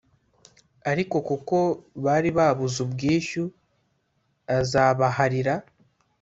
ariko kuko bari babuze ubwishyu azibaharira